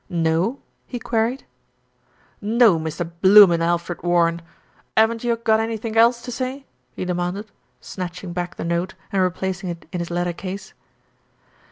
"No?" he queried. "No, Mr. Bloomin' Alfred Warren. 'Aven't you got anythink else to say?" he demanded, snatching back the note and replacing it in his letter case.